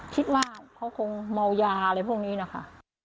คิดว่าเขาคงเมายาอะไรพวกนี้นะคะ